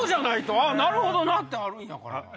あぁなるほどなってあるんやから。